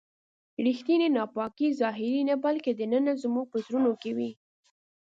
ریښتینې ناپاکي ظاهري نه بلکې دننه زموږ په زړونو کې وي.